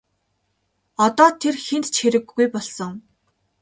Одоо тэр хэнд ч хэрэггүй болсон.